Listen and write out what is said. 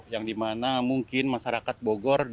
yang dimana mungkin kita bisa mencari jenis jenis yang berbeda